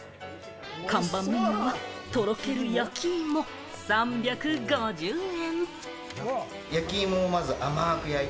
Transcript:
看板メニューは、とろける焼き芋、３５０円。